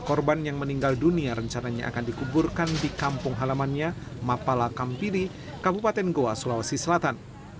korban yang meninggal dunia rencananya akan dikuburkan di kampung halamannya mapala kampiri kabupaten goa sulawesi selatan